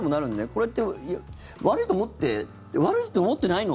これって悪いと思って悪いと思ってないの？